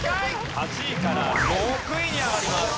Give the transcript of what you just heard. ８位から６位に上がります。